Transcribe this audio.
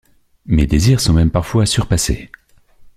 Mes désirs sont même parfois surpassés.